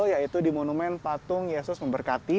yaitu di monumen patung yesus memberkati